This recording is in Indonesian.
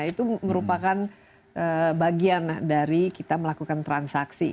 itu merupakan bagian dari kita melakukan transaksi